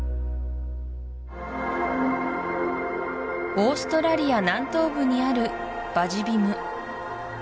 オーストラリア南東部にあるバジ・ビム